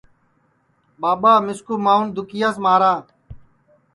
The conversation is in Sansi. ٻاٻا مِسکُو مانٚؤن دُکِیاس مارا